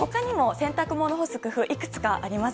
洗濯物を干す工夫はいくつかあります。